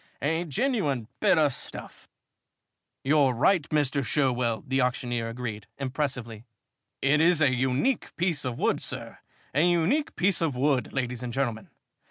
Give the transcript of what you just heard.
"A genuine bit o' stuff." "You're right, Mr. Sherwell," the auctioneer agreed, impressively. "It is a unique piece of wood, sir a unique piece of wood, ladies and gentlemen.